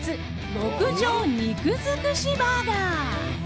極上肉づくしバーガー。